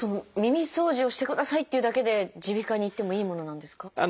耳そうじをしてくださいっていうだけで耳鼻科に行ってもいいものなんですか？